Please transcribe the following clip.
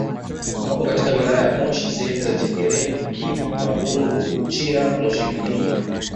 Wapo katika wilaya ya Moshi sehemu za Chekereni Himo Mabungo Uchira Moshi mjini